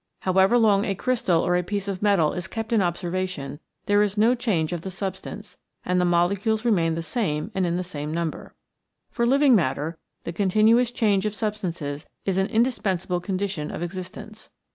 However long a crystal or a piece of metal is kept in observation, there is no change of the substance, and the molecules remain the same and in the same number. For living matter the continuous change of substances is an indispensable condition of existence.